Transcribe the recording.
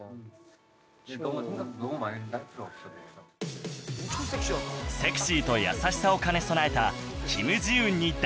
セクシーと優しさを兼ね備えたキム・ジウンに大注目です